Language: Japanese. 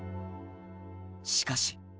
しかし。